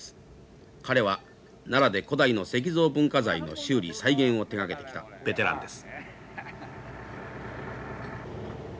彼は奈良で古代の石像文化財の修理再現を手がけてきたベテランです。